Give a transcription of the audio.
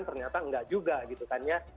ternyata enggak juga gitu kan ya